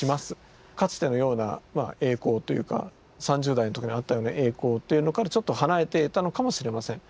かつてのような栄光というか３０代の時にあったような栄光というのからちょっと離れてたのかもしれません。